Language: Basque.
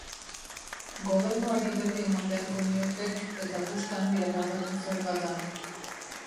Gobernuari berri eman beharko niokek eta puska handia pagatu zergatan.